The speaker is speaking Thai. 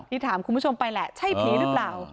ถามคุณผู้ชมไปแหละใช่ผีหรือเปล่า